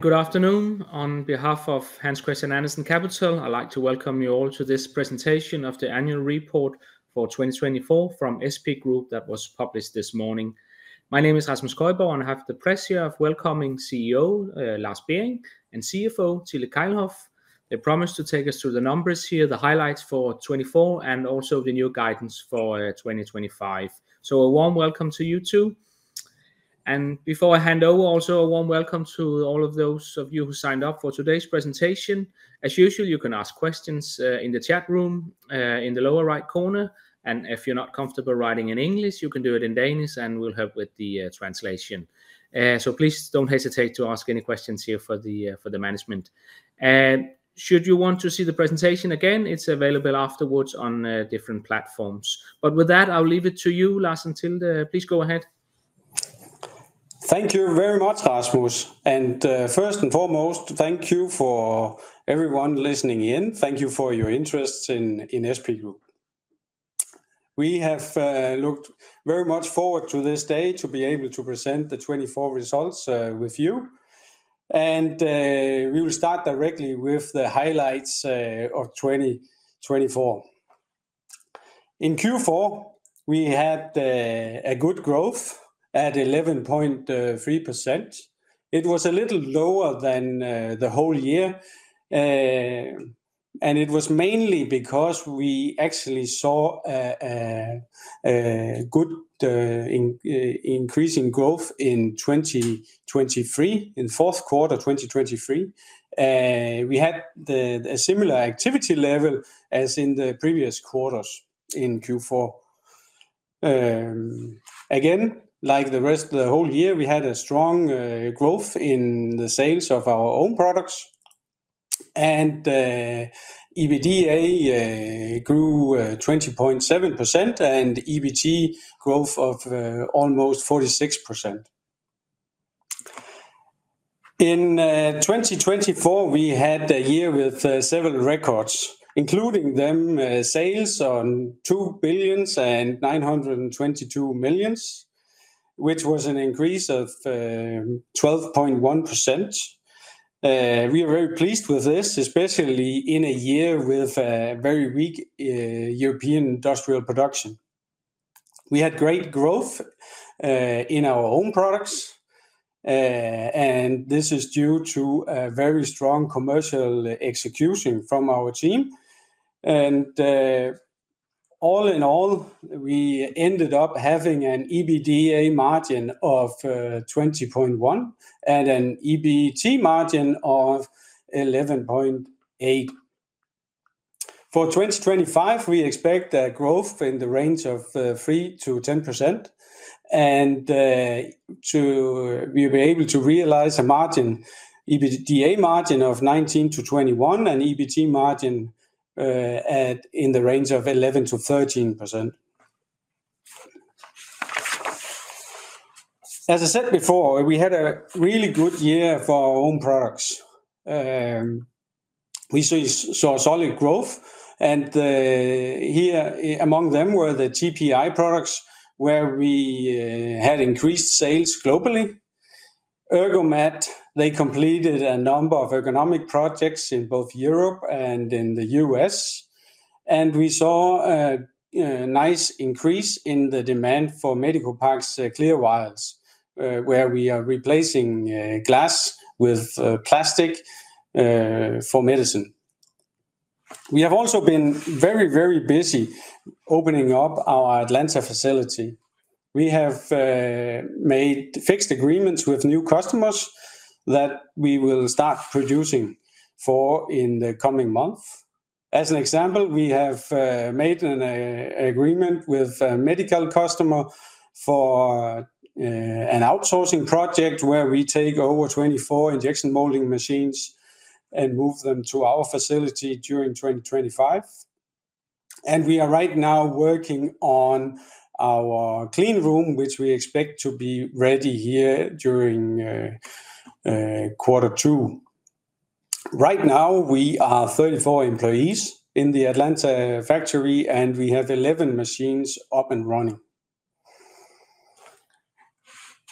Good afternoon. On behalf of Hans Christian Andersen Capital, I'd like to welcome you all to this presentation of the Annual Report for 2024 from SP Group that was published this morning. My name is Rasmus Køjborg, and I have the pleasure of welcoming CEO Lars Bering and CFO Tilde Kejlhof. They promised to take us through the numbers here, the highlights for 2024, and also the new guidance for 2025. A warm welcome to you too. Before I hand over, also a warm welcome to all of those of you who signed up for today's presentation. As usual, you can ask questions in the chat room in the lower right corner. If you're not comfortable writing in English, you can do it in Danish, and we'll help with the translation. Please don't hesitate to ask any questions here for the management. Should you want to see the presentation again, it's available afterwards on different platforms. With that, I'll leave it to you, Lars and Tilde. Please go ahead. Thank you very much, Rasmus. First and foremost, thank you for everyone listening in. Thank you for your interest in SP Group. We have looked very much forward to this day to be able to present the 2024 results with you. We will start directly with the highlights of 2024. In Q4, we had a good growth at 11.3%. It was a little lower than the whole year. It was mainly because we actually saw a good increase in growth in 2023, in the fourth quarter of 2023. We had a similar activity level as in the previous quarters in Q4. Again, like the rest of the whole year, we had a strong growth in the sales of our own products. EBITDA grew 20.7%, and EBIT growth of almost 46%. In 2024, we had a year with several records, including sales on 2 billion and 922 million, which was an increase of 12.1%. We are very pleased with this, especially in a year with very weak European industrial production. We had great growth in our own products. This is due to a very strong commercial execution from our team. All in all, we ended up having an EBITDA margin of 20.1% and an EBIT margin of 11.8%. For 2025, we expect a growth in the range of 3%-10%. We will be able to realize an EBITDA margin of 19%-21%, and an EBIT margin in the range of 11%-13%. As I said before, we had a really good year for our own products. We saw solid growth. Here among them were the TPI products, where we had increased sales globally. Ergomat, they completed a number of ergonomic projects in both Europe and in the US. We saw a nice increase in the demand for MedicoPack's clear vials, where we are replacing glass with plastic for medicine. We have also been very, very busy opening up our Atlanta facility. We have made fixed agreements with new customers that we will start producing for in the coming month. For example, we have made an agreement with a medical customer for an outsourcing project where we take over 24 injection molding machines and move them to our facility during 2025. We are right now working on our clean room, which we expect to be ready here during quarter two. Right now, we are 34 employees in the Atlanta factory, and we have 11 machines up and running.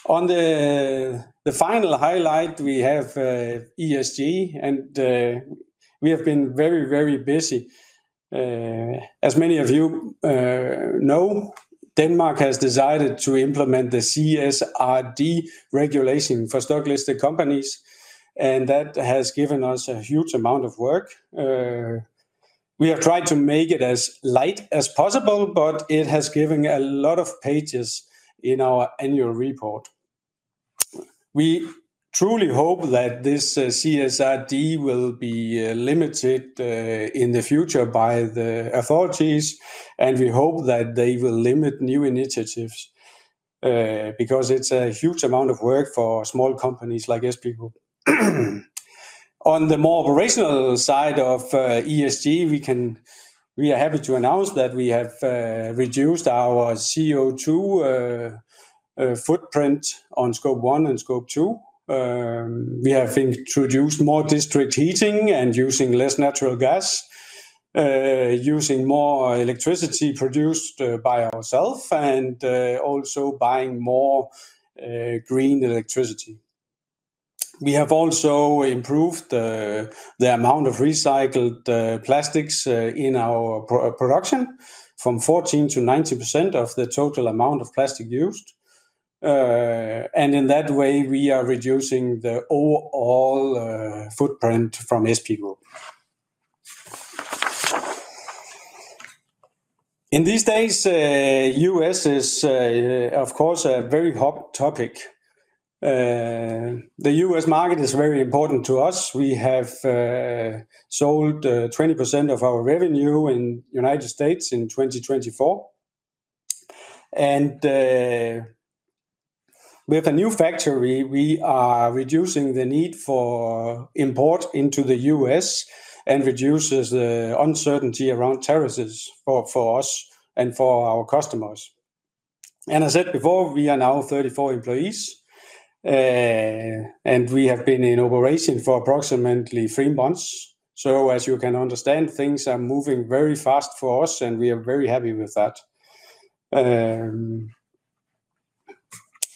On the final highlight, we have ESG, and we have been very, very busy. As many of you know, Denmark has decided to implement the CSRD regulation for stock-listed companies, and that has given us a huge amount of work. We have tried to make it as light as possible, but it has given a lot of pages in our annual report. We truly hope that this CSRD will be limited in the future by the authorities, and we hope that they will limit new initiatives because it's a huge amount of work for small companies like SP Group. On the more operational side of ESG, we are happy to announce that we have reduced our CO2 footprint on Scope 1 and Scope 2. We have introduced more district heating and using less natural gas, using more electricity produced by ourselves, and also buying more green electricity. We have also improved the amount of recycled plastics in our production from 14%-90% of the total amount of plastic used. In that way, we are reducing the overall footprint from SP Group. These days, the U.S. is, of course, a very hot topic. The U.S. market is very important to us. We have sold 20% of our revenue in the United States in 2024. With the new factory, we are reducing the need for import into the U.S. and reducing the uncertainty around tariffs for us and for our customers. As I said before, we are now 34 employees, and we have been in operation for approximately three months. You can understand, things are moving very fast for us, and we are very happy with that.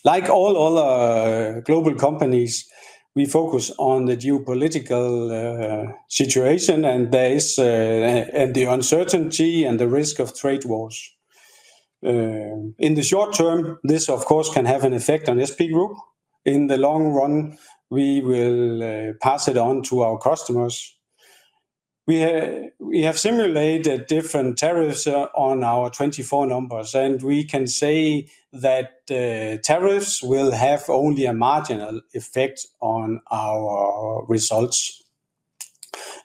Like all other global companies, we focus on the geopolitical situation and the uncertainty and the risk of trade wars. In the short term, this, of course, can have an effect on SP Group. In the long run, we will pass it on to our customers. We have simulated different tariffs on our 2024 numbers, and we can say that tariffs will have only a marginal effect on our results.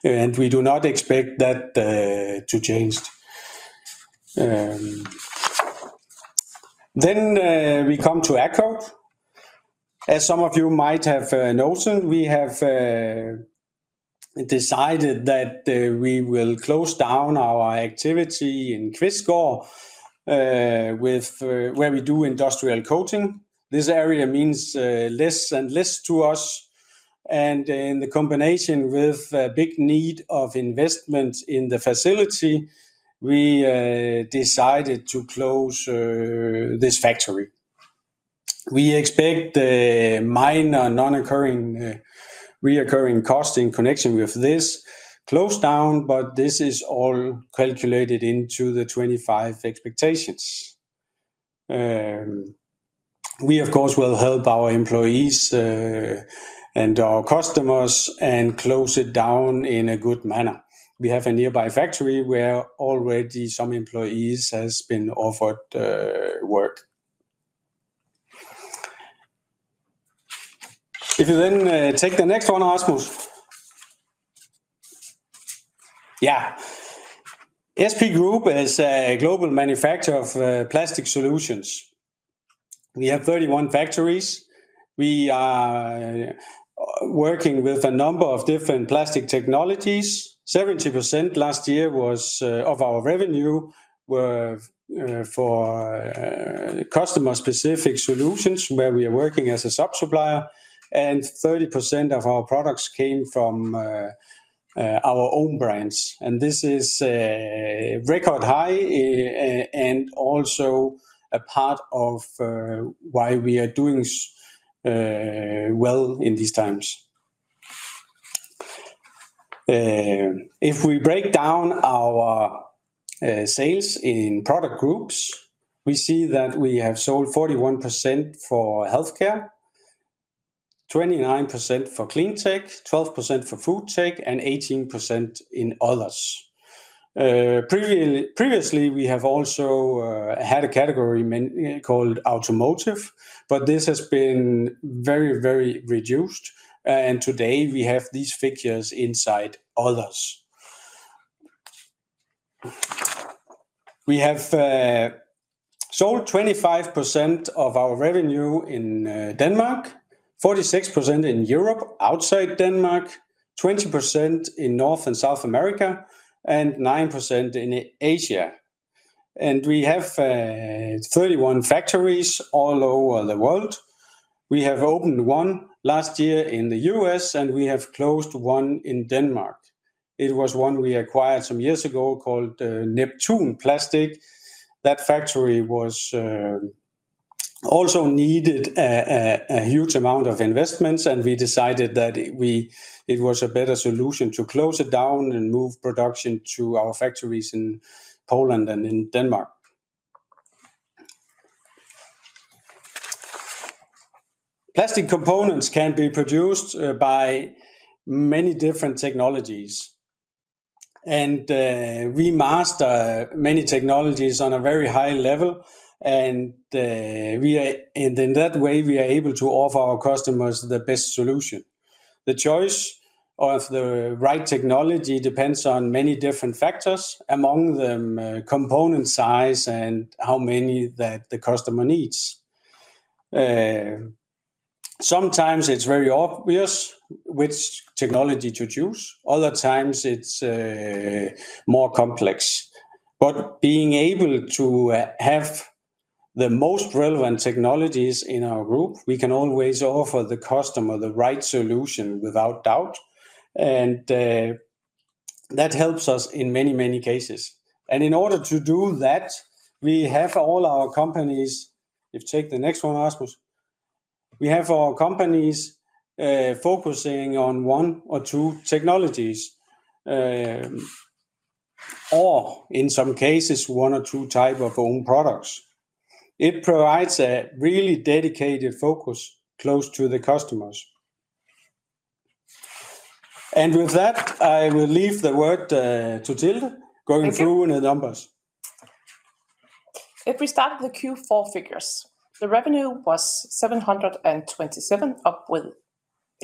We do not expect that to change. As some of you might have noticed, we have decided that we will close down our activity in Kvistgård, where we do industrial coating. This area means less and less to us. In combination with a big need of investment in the facility, we decided to close this factory. We expect minor, non-recurring, reoccurring costs in connection with this close down, but this is all calculated into the 2025 expectations. We, of course, will help our employees and our customers and close it down in a good manner. We have a nearby factory where already some employees have been offered work. If you then take the next one, Rasmus. Yeah. SP Group is a global manufacturer of plastic solutions. We have 31 factories. We are working with a number of different plastic technologies. 70% last year of our revenue were for customer-specific solutions, where we are working as a sub-supplier. 30% of our products came from our own brands. This is a record high and also a part of why we are doing well in these times. If we break down our sales in product groups, we see that we have sold 41% for healthcare, 29% for cleantech, 12% for food tech, and 18% in others. Previously, we have also had a category called automotive, but this has been very, very reduced. Today, we have these figures inside others. We have sold 25% of our revenue in Denmark, 46% in Europe outside Denmark, 20% in North and South America, and 9% in Asia. We have 31 factories all over the world. We have opened one last year in the U.S., and we have closed one in Denmark. It was one we acquired some years ago called Neptune Plastic. That factory also needed a huge amount of investments, and we decided that it was a better solution to close it down and move production to our factories in Poland and in Denmark. Plastic components can be produced by many different technologies. We master many technologies on a very high level. In that way, we are able to offer our customers the best solution. The choice of the right technology depends on many different factors, among them component size and how many that the customer needs. Sometimes it's very obvious which technology to choose. Other times, it's more complex. Being able to have the most relevant technologies in our group, we can always offer the customer the right solution without doubt. That helps us in many, many cases. In order to do that, we have all our companies if take the next one, Rasmus. We have our companies focusing on one or two technologies or, in some cases, one or two types of own products. It provides a really dedicated focus close to the customers. With that, I will leave the word to Tilde going through the numbers. If we start with the Q4 figures, the revenue was 727 million, up with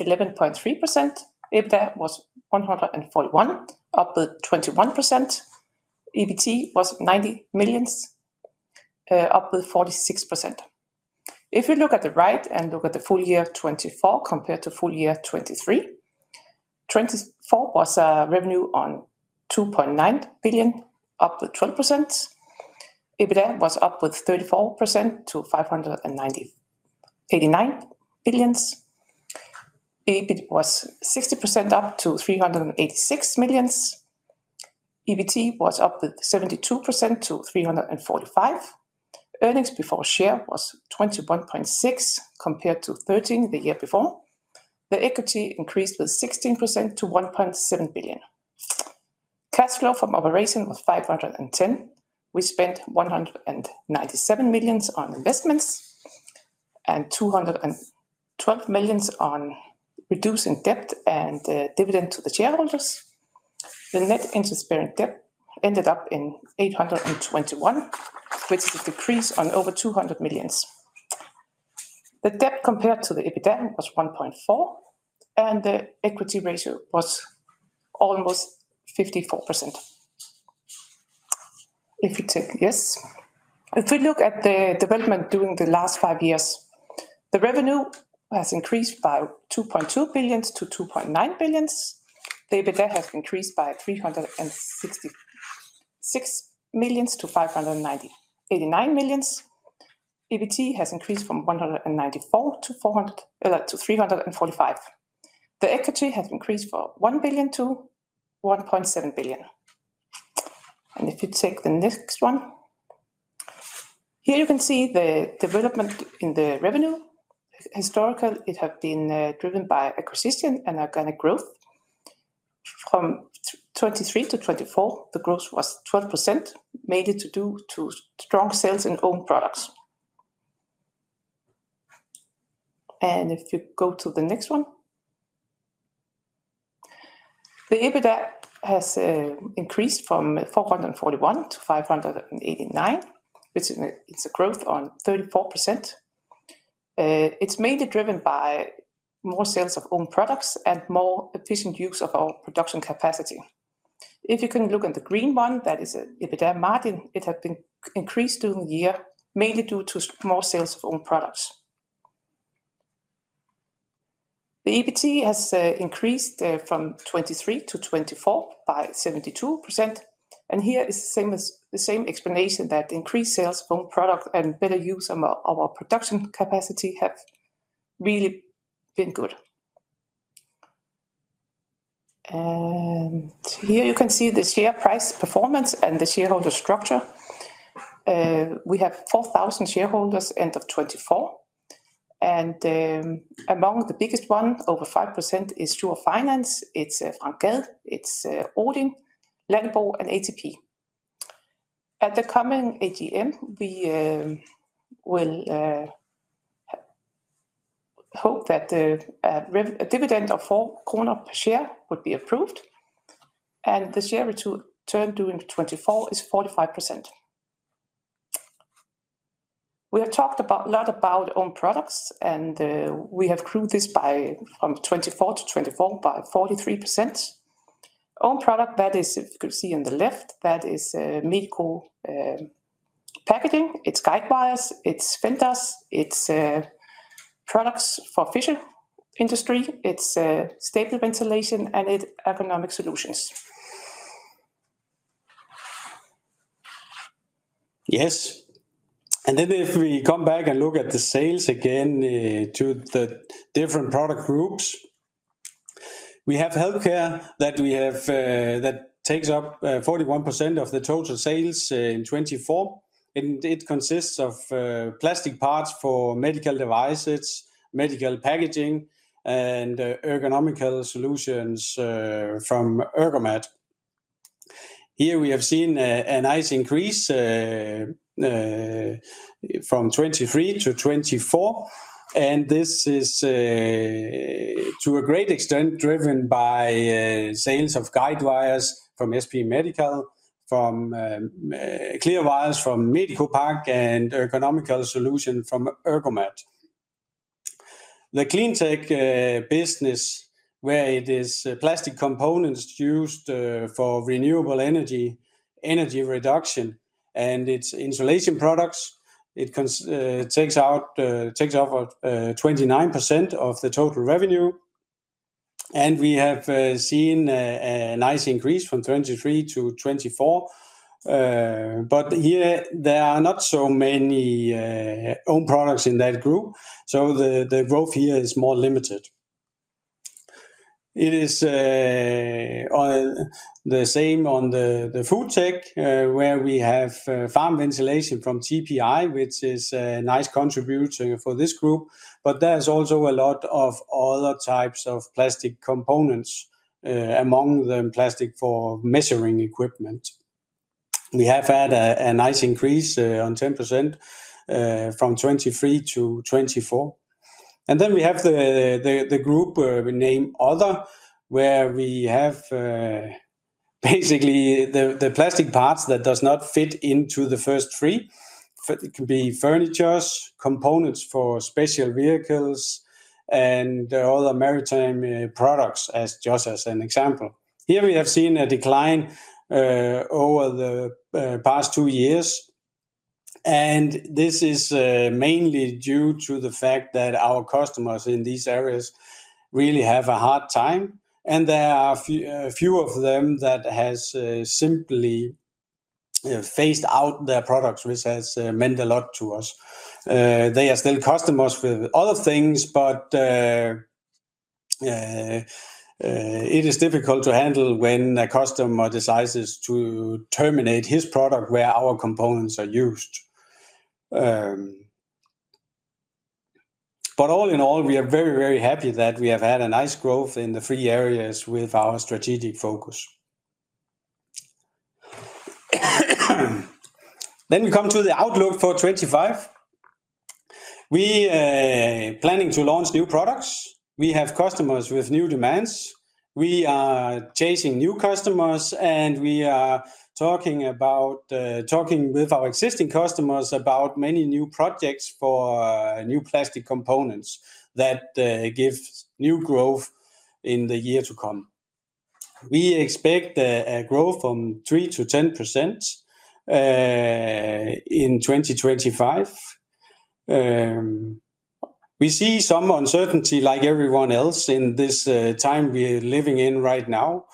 11.3%. EBITDA was 141 million, up with 21%. EBIT was 90 million, up with 46%. If you look at the right and look at the full year 2024 compared to full year 2023, 2024 was a revenue of 2.9 billion, up with 12%. EBITDA was up with 34% to 599 million. EBIT was 60% up to 386 million. EBIT was up with 72% to 345 million. Earnings per share was 21.6 compared to 13 the year before. The equity increased with 16% to 1.7 billion. Cash flow from operation was 510 million. We spent 197 million on investments and 212 million on reducing debt and dividend to the shareholders. The net interest bearing debt ended up at 821 million, which is a decrease of over 200 million. The debt compared to the EBITDA was 1.4, and the equity ratio was almost 54%. If you take this, if we look at the development during the last five years, the revenue has increased by 2.2 billion-2.9 billion. The EBITDA has increased by 366 million-589 million. EBIT has increased from 194 million-345 million. The equity has increased from 1 billion-1.7 billion. If you take the next one, here you can see the development in the revenue. Historically, it has been driven by acquisition and organic growth. From 2023 to 2024, the growth was 12%, mainly due to strong sales in own products. If you go to the next one, the EBITDA has increased from 441 million-589 million, which is a growth of 34%. It is mainly driven by more sales of own products and more efficient use of our production capacity. If you can look at the green one, that is EBITDA margin, it has been increased during the year, mainly due to more sales of own products. The EBIT has increased from 2023 to 2024 by 72%. Here is the same explanation that increased sales of own product and better use of our production capacity have really been good. Here you can see the share price performance and the shareholder structure. We have 4,000 shareholders end of 2024. Among the biggest one, over 5% is Schur Finance. It is Frank Gad, it is Odin, Lannebo, and ATP. At the coming AGM, we will hope that a dividend of 4 kroner per share would be approved. The share return during 2024 is 45%. We have talked a lot about own products, and we have grew this from 2023 to 2024 by 43%. Own product, that is, if you can see on the left, that is medical packaging. It's guidewires, it's fenders, it's products for fishing industry, it's stable ventilation, and it's ergonomic solutions. Yes. If we come back and look at the sales again to the different product groups, we have healthcare that takes up 41% of the total sales in 2024. It consists of plastic parts for medical devices, medical packaging, and ergonomic solutions from Ergomat. Here we have seen a nice increase from 2023 to 2024. This is to a great extent driven by sales of guidewires from SP Medical, clear vials from MedicoPack, and ergonomic solutions from Ergomat. The cleantech business, where it is plastic components used for renewable energy reduction and its insulation products, takes up 29% of the total revenue. We have seen a nice increase from 2023 to 2024. Here, there are not so many own products in that group. The growth here is more limited. It is the same on the food tech, where we have farm ventilation from TPI, which is a nice contributor for this group. There is also a lot of other types of plastic components among the plastic for measuring equipment. We have had a nice increase of 10% from 2023 to 2024. We have the group we name other, where we have basically the plastic parts that do not fit into the first three. It can be furnitures, components for special vehicles, and other maritime products, as just as an example. Here we have seen a decline over the past two years. This is mainly due to the fact that our customers in these areas really have a hard time. There are few of them that have simply phased out their products, which has meant a lot to us. They are still customers with other things, but it is difficult to handle when a customer decides to terminate his product where our components are used. All in all, we are very, very happy that we have had a nice growth in the three areas with our strategic focus. We come to the outlook for 2025. We are planning to launch new products. We have customers with new demands. We are chasing new customers, and we are talking with our existing customers about many new projects for new plastic components that give new growth in the year to come. We expect a growth from 3%-10% in 2025. We see some uncertainty like everyone else in this time we are living in right now.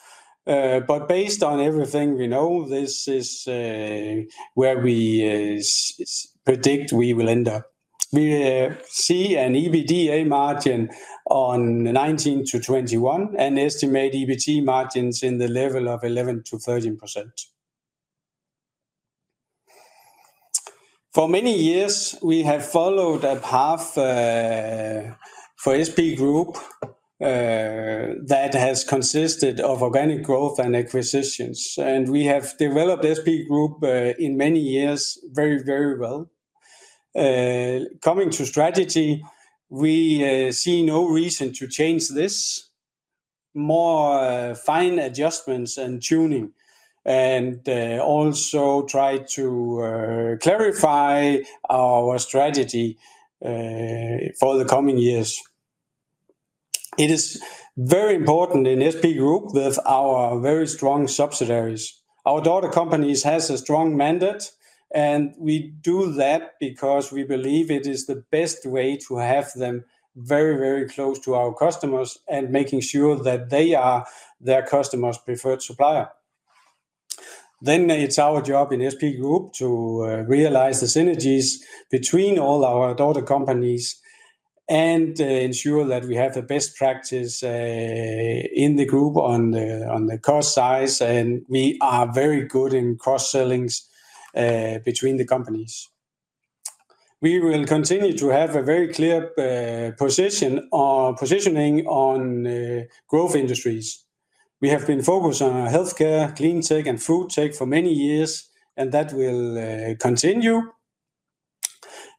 Based on everything we know, this is where we predict we will end up. We see an EBITDA margin of 19%-21% and estimate EBIT margins in the level of 11%-13%. For many years, we have followed a path for SP Group that has consisted of organic growth and acquisitions. We have developed SP Group in many years very, very well. Coming to strategy, we see no reason to change this. More fine adjustments and tuning and also try to clarify our strategy for the coming years. It is very important in SP Group with our very strong subsidiaries. Our daughter companies have a strong mandate, and we do that because we believe it is the best way to have them very, very close to our customers and making sure that they are their customer's preferred supplier. It is our job in SP Group to realize the synergies between all our daughter companies and ensure that we have the best practice in the group on the cost side. We are very good in cross-sellings between the companies. We will continue to have a very clear positioning on growth industries. We have been focused on healthcare, cleantech, and food tech for many years, and that will continue.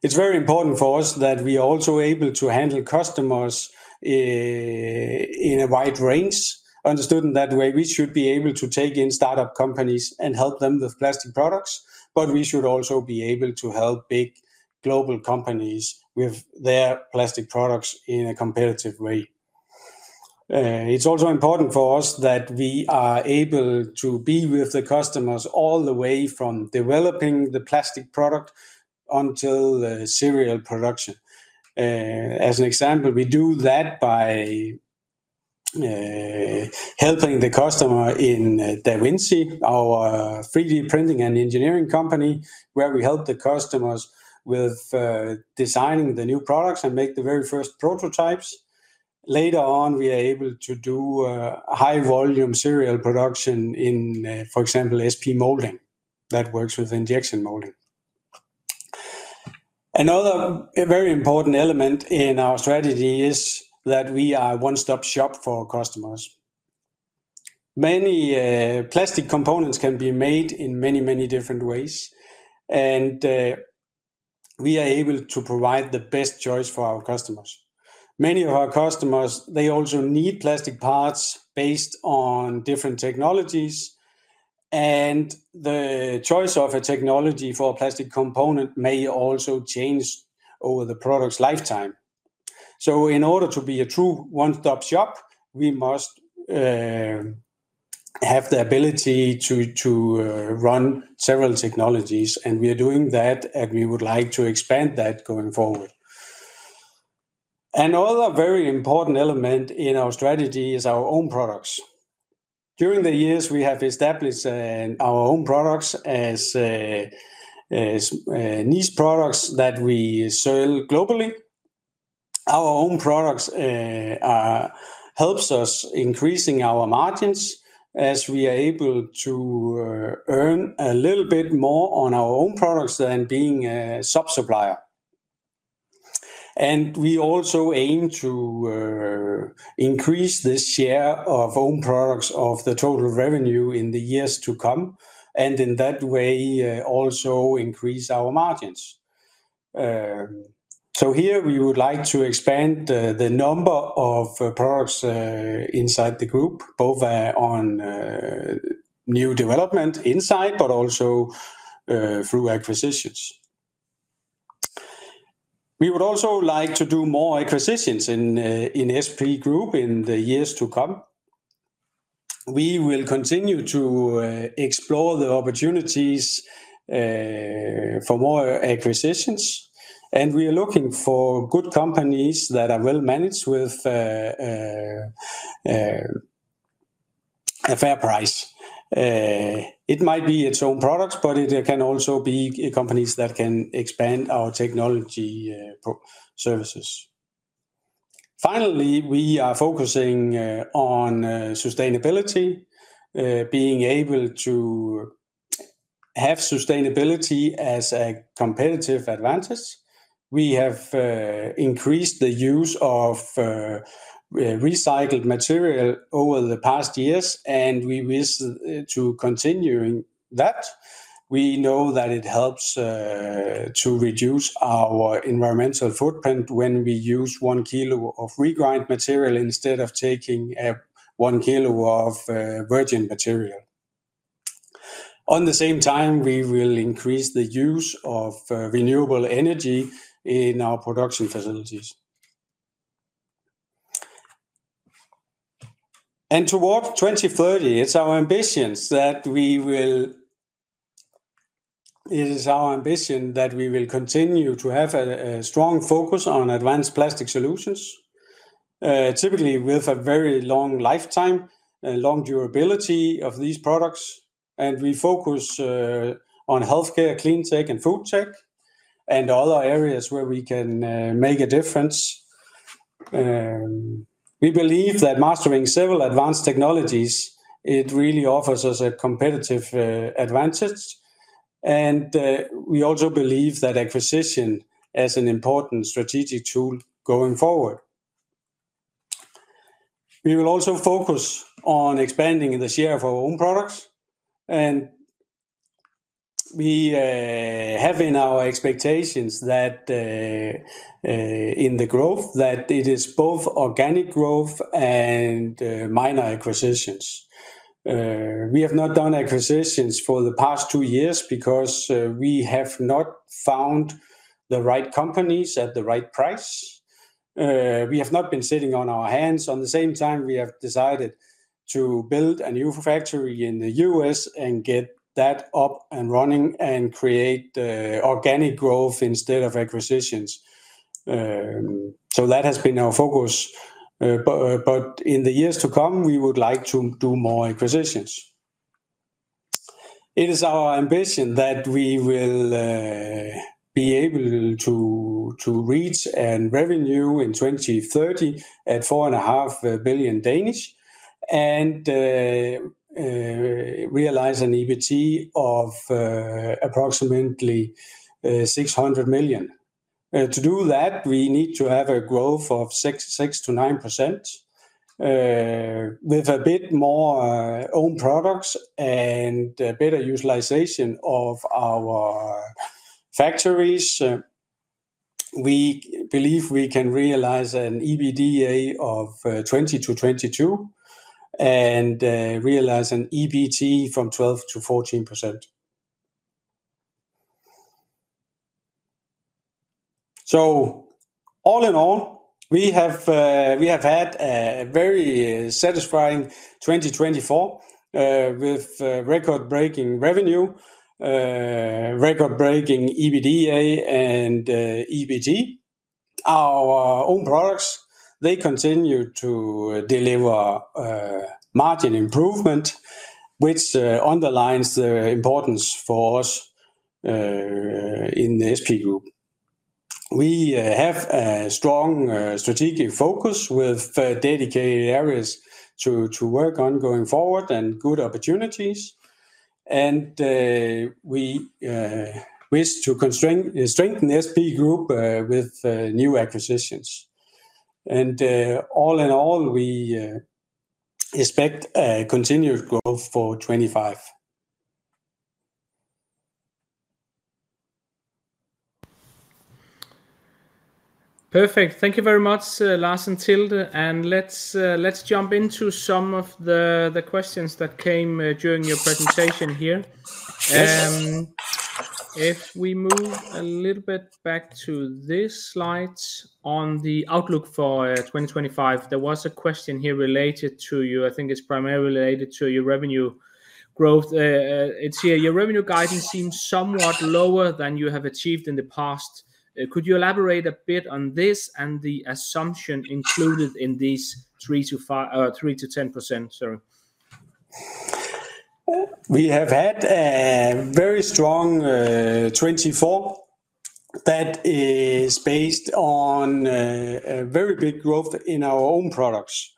It is very important for us that we are also able to handle customers in a wide range. Understood in that way, we should be able to take in startup companies and help them with plastic products, but we should also be able to help big global companies with their plastic products in a competitive way. It's also important for us that we are able to be with the customers all the way from developing the plastic product until the serial production. As an example, we do that by helping the customer in Davinci, our 3D printing and engineering company, where we help the customers with designing the new products and make the very first prototypes. Later on, we are able to do high-volume serial production in, for example, SP Moulding that works with injection molding. Another very important element in our strategy is that we are a one-stop shop for customers. Many plastic components can be made in many, many different ways, and we are able to provide the best choice for our customers. Many of our customers, they also need plastic parts based on different technologies, and the choice of a technology for a plastic component may also change over the product's lifetime. In order to be a true one-stop shop, we must have the ability to run several technologies, and we are doing that, and we would like to expand that going forward. Another very important element in our strategy is our own products. During the years, we have established our own products as niche products that we sell globally. Our own products help us increase our margins as we are able to earn a little bit more on our own products than being a sub-supplier. We also aim to increase the share of own products of the total revenue in the years to come, and in that way, also increase our margins. Here, we would like to expand the number of products inside the group, both on new development inside, but also through acquisitions. We would also like to do more acquisitions in SP Group in the years to come. We will continue to explore the opportunities for more acquisitions, and we are looking for good companies that are well-managed with a fair price. It might be its own products, but it can also be companies that can expand our technology services. Finally, we are focusing on sustainability, being able to have sustainability as a competitive advantage. We have increased the use of recycled material over the past years, and we wish to continue that. We know that it helps to reduce our environmental footprint when we use one kilo of regrind material instead of taking one kilo of virgin material. At the same time, we will increase the use of renewable energy in our production facilities. Towards 2030, it's our ambition that we will continue to have a strong focus on advanced plastic solutions, typically with a very long lifetime, long durability of these products. We focus on healthcare, cleantech, and food tech, and other areas where we can make a difference. We believe that mastering several advanced technologies really offers us a competitive advantage. We also believe that acquisition is an important strategic tool going forward. We will also focus on expanding the share of our own products. We have in our expectations that in the growth, it is both organic growth and minor acquisitions. We have not done acquisitions for the past two years because we have not found the right companies at the right price. We have not been sitting on our hands. At the same time, we have decided to build a new factory in the U.S. and get that up and running and create organic growth instead of acquisitions. That has been our focus. In the years to come, we would like to do more acquisitions. It is our ambition that we will be able to reach revenue in 2030 at 4.5 billion and realize an EBIT of approximately 600 million. To do that, we need to have a growth of 6%-9% with a bit more own products and better utilization of our factories. We believe we can realize an EBITDA of 20%-22% and realize an EBIT from 12%-14%. All in all, we have had a very satisfying 2024 with record-breaking revenue, record-breaking EBITDA and EBIT. Our own products, they continue to deliver margin improvement, which underlines the importance for us in SP Group. We have a strong strategic focus with dedicated areas to work on going forward and good opportunities. We wish to strengthen SP Group with new acquisitions. All in all, we expect continued growth for 2025. Perfect. Thank you very much, Lars and Tilde. Let's jump into some of the questions that came during your presentation here. If we move a little bit back to this slide on the outlook for 2025, there was a question here related to you. I think it's primarily related to your revenue growth. It's here. Your revenue guidance seems somewhat lower than you have achieved in the past. Could you elaborate a bit on this and the assumption included in these 3%-10%? Sorry. We have had a very strong 2024 that is based on a very big growth in our own products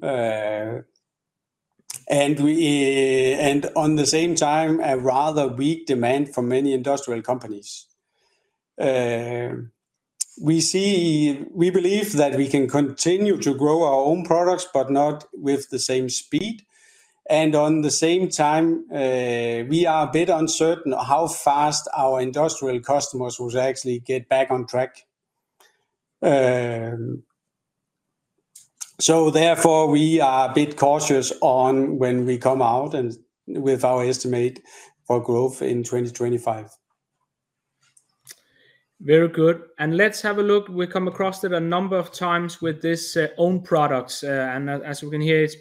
and at the same time, a rather weak demand for many industrial companies. We believe that we can continue to grow our own products, but not with the same speed. At the same time, we are a bit uncertain how fast our industrial customers will actually get back on track. Therefore, we are a bit cautious when we come out with our estimate for growth in 2025. Very good. Let's have a look. We come across it a number of times with these own products. As we can hear, it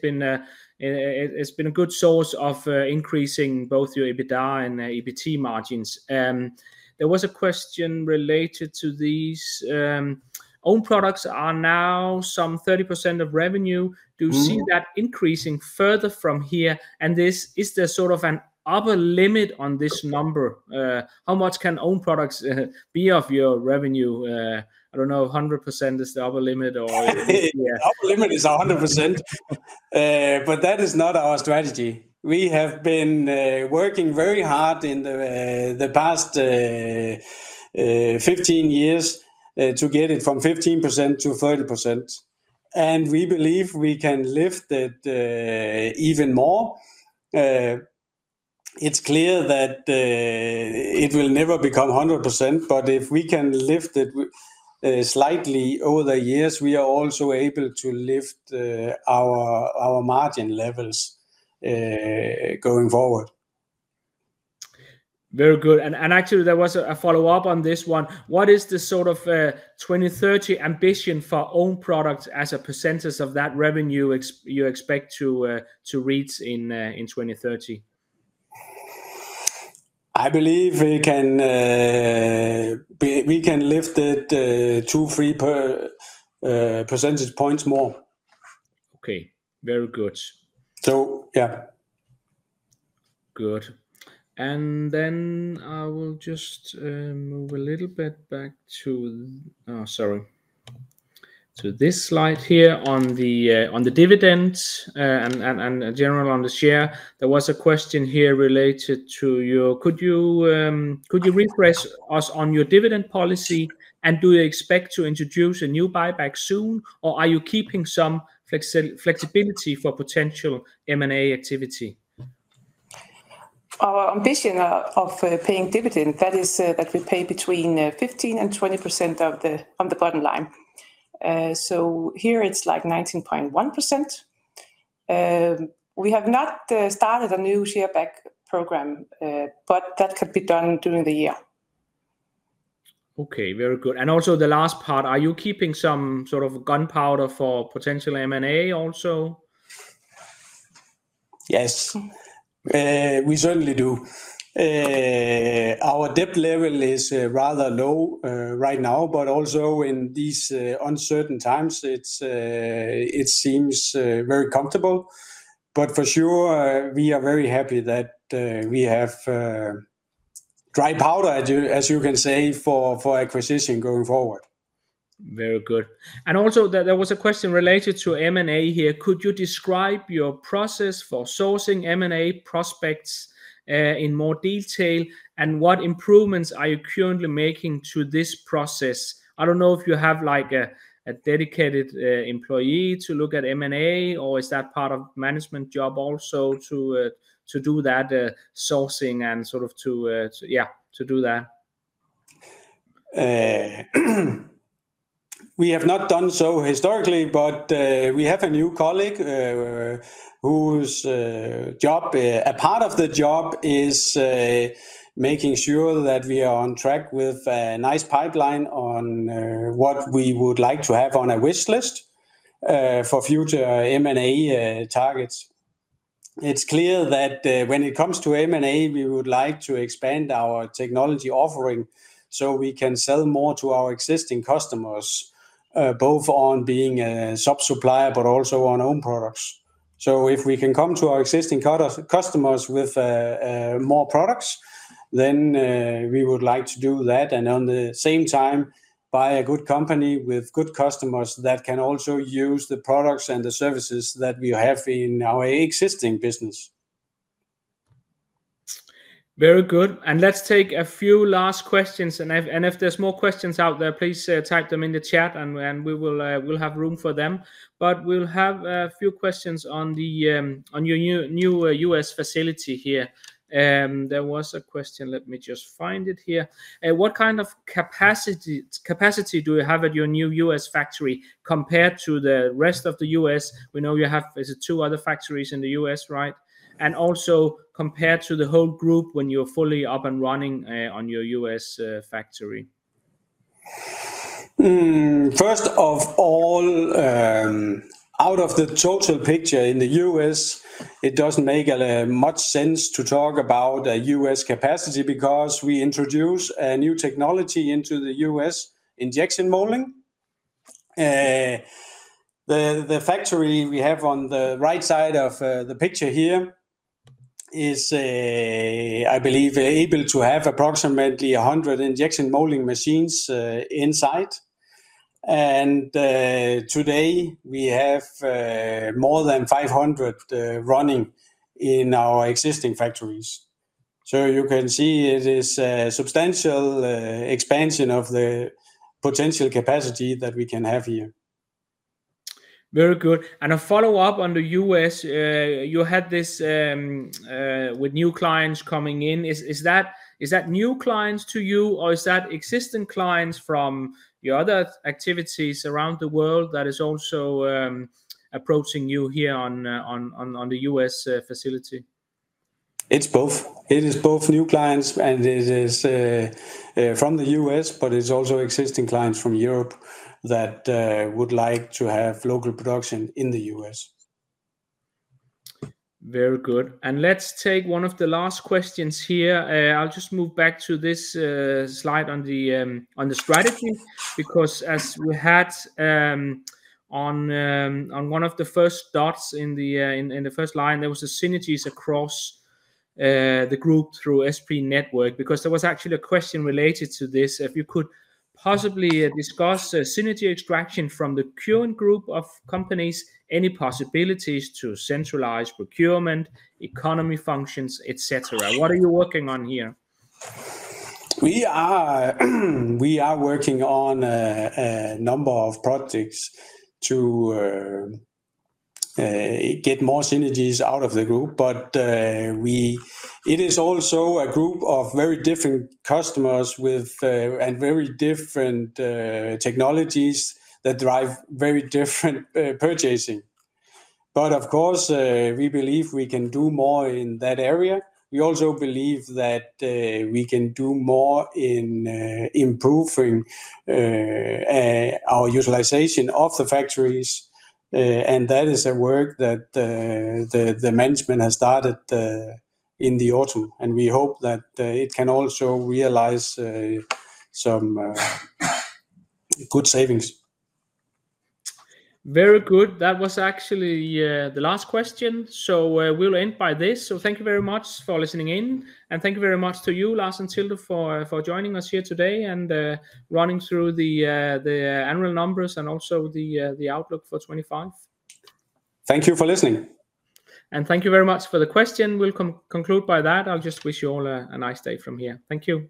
has been a good source of increasing both your EBITDA and EBIT margins. There was a question related to these own products are now some 30% of revenue. Do you see that increasing further from here? Is there sort of an upper limit on this number? How much can own products be of your revenue? I do not know, 100% is the upper limit or? The upper limit is 100%, but that is not our strategy. We have been working very hard in the past 15 years to get it from 15%-30%. We believe we can lift it even more. It is clear that it will never become 100%, but if we can lift it slightly over the years, we are also able to lift our margin levels going forward. Very good. Actually, there was a follow-up on this one. What is the sort of 2030 ambition for own products as a percentage of that revenue you expect to reach in 2030? I believe we can lift it two, three percentage points more. Okay. Very good. Yeah. Good. I will just move a little bit back to, sorry, to this slide here on the dividends and in general on the share. There was a question here related to your, could you refresh us on your dividend policy? Do you expect to introduce a new buyback soon, or are you keeping some flexibility for potential M&A activity? Our ambition of paying dividend, that is, that we pay between 15%-20% of the bottom line. Here, it's like 19.1%. We have not started a new share back program, but that could be done during the year. Okay. Very good. Also the last part, are you keeping some sort of gunpowder for potential M&A also? Yes, we certainly do. Our debt level is rather low right now, but also in these uncertain times, it seems very comfortable. For sure, we are very happy that we have dry powder, as you can say, for acquisition going forward. Very good. There was a question related to M&A here. Could you describe your process for sourcing M&A prospects in more detail? What improvements are you currently making to this process? I do not know if you have a dedicated employee to look at M&A, or is that part of a management job also to do that sourcing and sort of to, yeah, to do that? We have not done so historically, but we have a new colleague whose job, a part of the job, is making sure that we are on track with a nice pipeline on what we would like to have on a wish list for future M&A targets. It's clear that when it comes to M&A, we would like to expand our technology offering so we can sell more to our existing customers, both on being a sub-supplier, but also on own products. If we can come to our existing customers with more products, then we would like to do that. At the same time, buy a good company with good customers that can also use the products and the services that we have in our existing business. Very good. Let's take a few last questions. If there's more questions out there, please type them in the chat, and we will have room for them. We'll have a few questions on your new U.S. facility here. There was a question. Let me just find it here. What kind of capacity do you have at your new U.S. factory compared to the rest of the U.S.? We know you have two other factories in the U.S., right? Also compared to the whole group when you're fully up and running on your U.S. factory. First of all, out of the total picture in the U.S., it doesn't make much sense to talk about a U.S. capacity because we introduced a new technology into the U.S., injection molding. The factory we have on the right side of the picture here is, I believe, able to have approximately 100 injection molding machines inside. Today, we have more than 500 running in our existing factories. You can see it is a substantial expansion of the potential capacity that we can have here. Very good. A follow-up on the U.S., you had this with new clients coming in. Is that new clients to you, or is that existing clients from your other activities around the world that is also approaching you here on the U.S. facility? It's both. It is both new clients, and it is from the U.S. but it's also existing clients from Europe that would like to have local production in the U.S. Very good. Let's take one of the last questions here. I'll just move back to this slide on the strategy because as we had on one of the first dots in the first line, there was a synergies across the group through SP Network because there was actually a question related to this. If you could possibly discuss synergy extraction from the current group of companies, any possibilities to centralize procurement, economy functions, etc. What are you working on here? We are working on a number of projects to get more synergies out of the group. It is also a group of very different customers and very different technologies that drive very different purchasing. Of course, we believe we can do more in that area. We also believe that we can do more in improving our utilization of the factories. That is a work that the management has started in the autumn. We hope that it can also realize some good savings. Very good. That was actually the last question. We will end by this. Thank you very much for listening in. Thank you very much to you, Lars and Tilde, for joining us here today and running through the annual numbers and also the outlook for 2025. Thank you for listening. Thank you very much for the question. We will conclude by that. I'll just wish you all a nice day from here. Thank you.